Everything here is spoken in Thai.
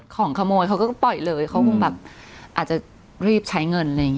ของขโมยเขาก็ปล่อยเลยเขาคงแบบอาจจะรีบใช้เงินอะไรอย่างนี้